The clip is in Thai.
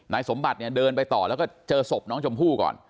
สมบัติเนี่ยเดินไปต่อแล้วก็เจอศพน้องชมพู่ก่อน